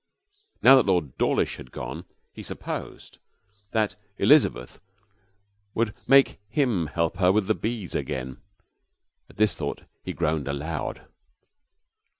Now that Lord Dawlish had gone, he supposed that Elizabeth would make him help her with the bees again. At this thought he groaned aloud.